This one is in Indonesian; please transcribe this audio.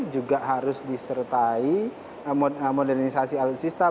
juga harus disertai modernisasi alutsista